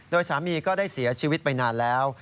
โดยสามีก็ได้เสียชีวิตไปนานแล้ว